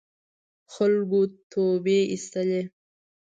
خلکو توبې اېستلې.